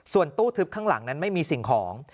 ส่วนตู้ทึบข้างหลังนั้นไม่มีสิ่งของ